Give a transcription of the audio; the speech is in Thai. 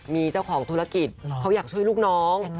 มีเจ้าของธุรกิจเขาอยากช่วยลูกน้อง